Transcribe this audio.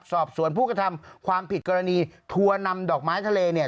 สอบสวนผู้กระทำความผิดกรณีทัวร์นำดอกไม้ทะเลเนี่ย